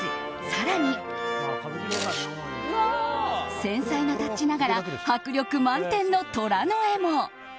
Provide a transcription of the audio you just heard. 更に、繊細なタッチながら迫力満点のトラの絵も。